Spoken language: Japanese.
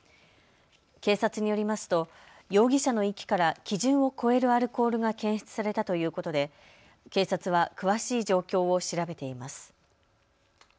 警察によりますと容疑者の息から基準を超えるアルコールが検出されたということで警察は詳しい状況を調べています。